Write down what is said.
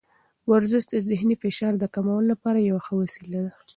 ورزش د ذهني فشار د کمولو لپاره یوه ښه وسیله ده.